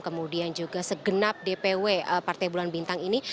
kemudian juga segenap dpw partai bulan bintang ini